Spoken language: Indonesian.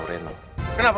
saya terlalu kuat